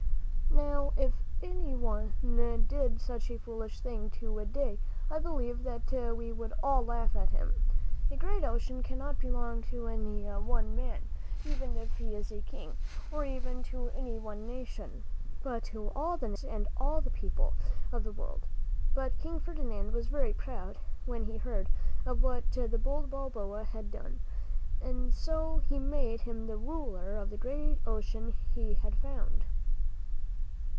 Now, if any one did such a foolish thing to day, I believe that we would all laugh at him. A great ocean cannot belong to any one man, even if he is a King, or even to any one nation, but to all the nations and all the people of the world. But King Ferdinand was very proud when he heard of what the bold Balboa had done, and so he made him the ruler of the great ocean he had found.